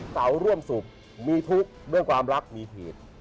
เสาร่วมสุขมีทุกข์เรื่องความรักมีเหตุ